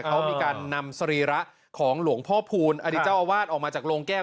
เขามีการนำสรีระของหลวงพ่อพูนอดีตเจ้าอาวาสออกมาจากโรงแก้ว